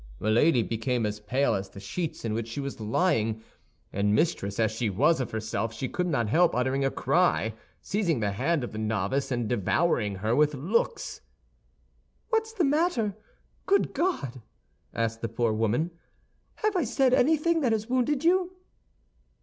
Milady became as pale as the sheets in which she was lying, and mistress as she was of herself, could not help uttering a cry, seizing the hand of the novice, and devouring her with looks. "What is the matter? Good God!" asked the poor woman, "have I said anything that has wounded you?"